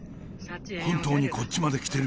本当にこっちまで来てる。